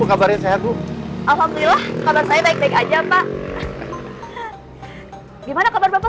kabarnya sehat alhamdulillah kabar saya baik baik aja pak gimana kabar bapak